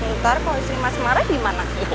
ntar kalau istri mas marah gimana